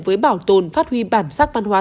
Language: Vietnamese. với bảo tồn phát huy bản sắc văn hóa